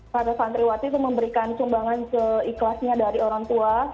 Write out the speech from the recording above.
para santriwati itu memberikan sumbangan seikhlasnya dari orang tua